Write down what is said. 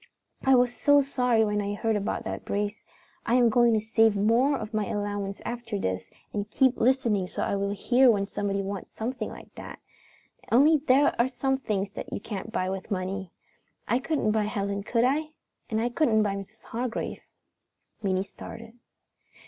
I was so sorry when I heard about that brace. I am going to save more of my allowance after this and keep listening so I will hear when somebody wants something like that. Only there are some things that you can't buy with money. I couldn't buy Helen, could I? And I couldn't buy Mrs. Hargrave." Minnie started.